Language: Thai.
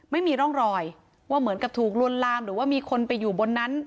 ไม่มีร่องรอยว่าเหมือนกับถูกลวนลามหรือว่ามีคนไปอยู่บนนั้น